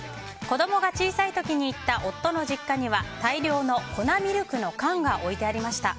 子供が小さい時に行った夫の実家には大量の粉ミルクの缶が置いてありました。